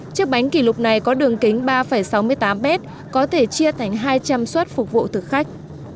chiếc bánh kỷ lục này có đường kính ba sáu mươi tám m có thể chia thành hai trăm linh suất phục vụ thực khách